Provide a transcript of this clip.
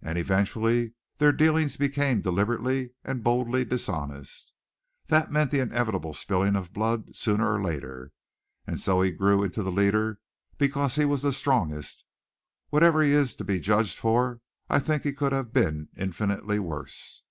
"And eventually their dealings became deliberately and boldly dishonest. That meant the inevitable spilling of blood sooner or later, and so he grew into the leader because he was the strongest. Whatever he is to be judged for I think he could have been infinitely worse."